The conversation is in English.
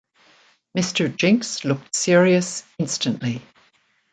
Mr. Jinks looked serious instantly.